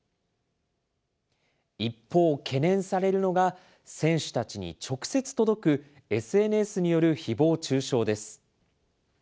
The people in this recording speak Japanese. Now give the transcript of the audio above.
一方、懸念されるのが選手たちに直接届くＳＮＳによるひぼう中傷です。